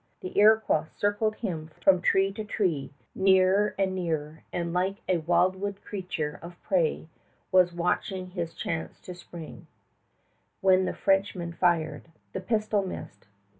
The Iroquois circled from tree to tree, near and nearer, and like a wildwood creature of prey was watching his chance to spring, when the Frenchman fired. The pistol missed.